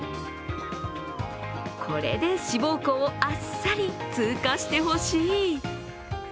これで志望校をあっさり通過してほしい。